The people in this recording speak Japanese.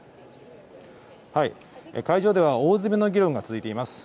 会場では大詰めの議論が続いています。